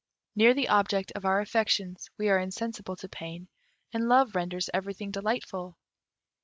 Near the object of our affections, we are insensible to pain, and love renders everything delightful.